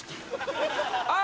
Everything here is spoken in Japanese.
あ！